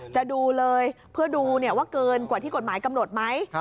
จะดูเลยเพื่อดูว่าเกินกว่าที่กฎหมายกำหนดไหม